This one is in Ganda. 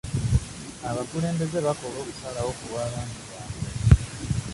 Abakulembeze bakola okusalawo ku lw'abantu baabwe.